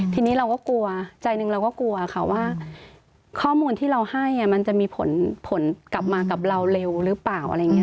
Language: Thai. ทีนี้เราก็กลัวใจหนึ่งเราก็กลัวค่ะว่าข้อมูลที่เราให้มันจะมีผลกลับมากับเราเร็วหรือเปล่าอะไรอย่างนี้